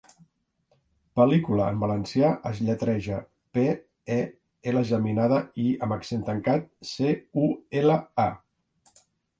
'Pel·lícula' en valencià es lletreja: pe, e, ele geminada, i amb accent tancat, ce, u, ele, a.